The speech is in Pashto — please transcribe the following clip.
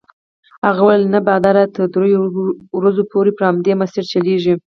هغه وویل نه باد تر دریو ورځو پورې پر همدې مسیر چلیږي.